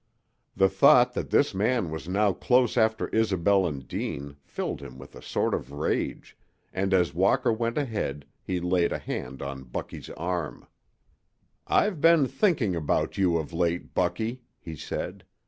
The thought that this man was now close after Isobel and Deane filled him with a sort of rage, and as Walker went ahead he laid a hand on Bucky's arm. "I've been thinking about you of late, Bucky," he said.